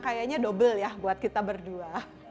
kayaknya double ya buat kita berdua